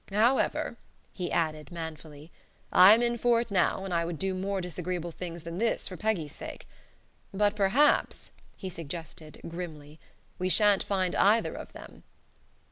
However," he added, manfully, "I am in for it now, and I would do more disagreeable things than this for Peggy's sake. But perhaps," he suggested, grimly, "we sha'n't find either of them."